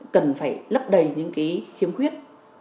cần phải lấp đầy những khiếm khuyết